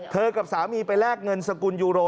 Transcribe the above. กับสามีไปแลกเงินสกุลยูโร